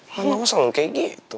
mama selalu kayak gitu